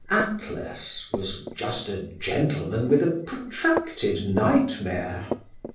Atlas was just a gentleman with a protracted nightmare!